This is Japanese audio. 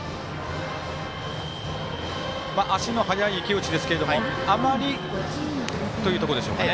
足の速い池内ですけどあまりというところでしょうかね